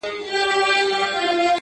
کيسه په کابل کي ولوستل سوه,